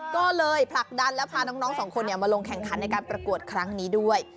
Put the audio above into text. ก็เลยผลักดันแล้วพาน้องสองคนมาลงแข่งขันในการประกวดครั้งนี้ด้วย